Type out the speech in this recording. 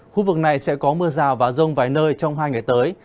khu vực này sẽ có mưa rào và rông vài nơi trong hai ngày tới